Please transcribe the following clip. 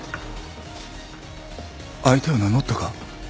相手は名乗ったか？